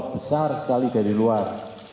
besar sekali dari luar